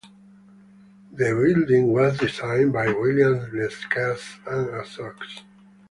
The building was designed by William Lescaze and Assocs.